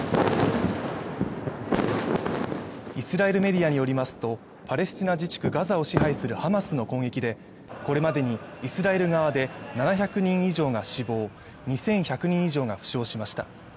イスラエルメディアによりますとパレスチナ自治区ガザを支配するハマスの攻撃でこれまでにイスラエル側で７００人以上が死亡２１００人以上が負傷しました